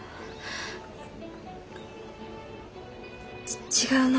ち違うの。